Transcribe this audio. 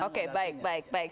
oke baik baik baik